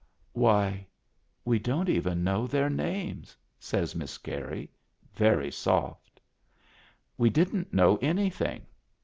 "Why, we don't even know their names!" says Miss Carey, very soft. We didn't know anything.